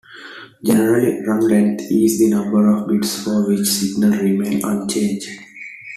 Generally "run-length" is the number of bits for which signal remains unchanged.